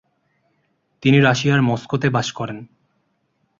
তিনি রাশিয়ার মস্কোতে বাস করতেন।